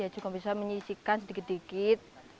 juga bisa menyisihkan sedikit sedikit